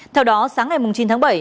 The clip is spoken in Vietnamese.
theo đó sáng ngày chín tháng bảy